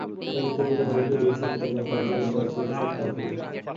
এবং তিনি তোমাদেরকে দিয়েছেন তোমরা তার নিকট যা চেয়েছ তা থেকে।